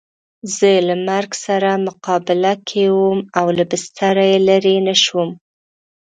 زه له مرګ سره مقابله کې وم او له بستره یې لرې نه شوم.